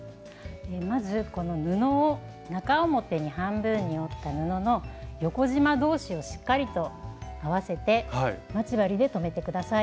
まず布を中表に半分に折った布の横じま同士をしっかりと合わせて待ち針で留めて下さい。